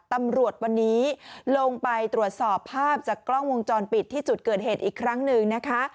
ตำรวจวันนี้ลงไปตรวจสอบภาพจากกล้องวงจรปิดที่จุดเกิดเหตุอีกครั้งหนึ่งนะคะ